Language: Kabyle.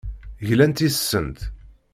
Glant yes-sent.